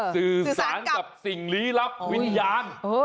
สื่อสารกับสิ่งลี้ลับวิญญาณ